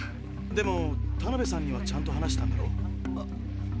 でもタナベさんにはちゃんと話したんだろ？